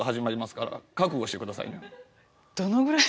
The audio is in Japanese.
どのぐらい？